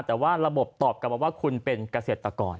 แต่ว่าระบบตอบกลับมาว่าคุณเป็นเกษตรกร